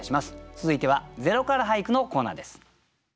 続いては「０から俳句」のコーナーです。